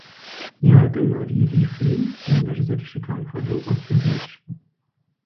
И адэм ар ирифри и нэр зэрыщытам хуэдэу къэплъэжащ.